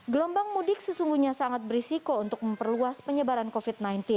gelombang mudik sesungguhnya sangat berisiko untuk memperluas penyebaran covid sembilan belas